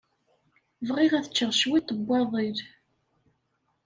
Bɣiɣ ad ččeɣ cwiṭ n waḍil.